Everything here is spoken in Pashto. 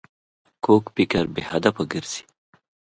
کوږ فکر بې هدفه ګرځي